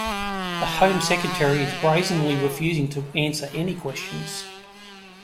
The Home Secretary is brazenly refusing to answer any questions